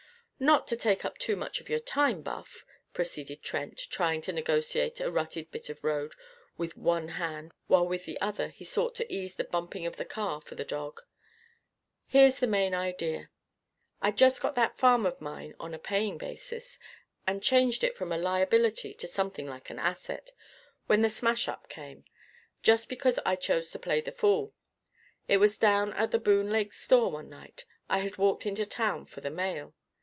"Not to take up too much of your time, Buff," proceeded Trent, trying to negotiate a rutted bit of road with one hand while with the other he sought to ease the bumping of the car for the dog, "here's the main idea: I'd just got that farm of mine on a paying basis, and changed it from a liability to something like an asset, when the smash up came. Just because I chose to play the fool. It was down at the Boone Lake store one night. I had walked into town for the mail.